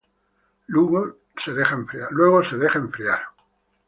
Luego se deja enfriar.